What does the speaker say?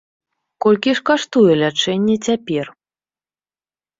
Колькі ж каштуе лячэнне цяпер?